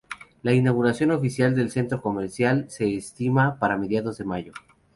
La inauguración oficial del centro comercial se estima para mediados de mayo.